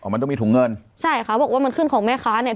มันต้องมีถุงเงินใช่ค่ะบอกว่ามันขึ้นของแม่ค้าเนี่ย